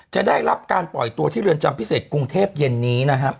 ได้รับการปล่อยตัวที่เรือนจำพิเศษกรุงเทพเย็นนี้นะครับ